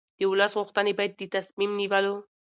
د ولس غوښتنې باید د تصمیم نیولو